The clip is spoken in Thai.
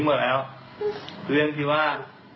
คือพูดง่ายว่า